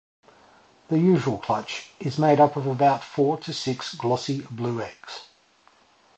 The usual clutch is made up of about four to six glossy blue eggs.